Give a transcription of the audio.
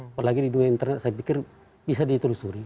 apalagi di dunia internet saya pikir bisa ditelusuri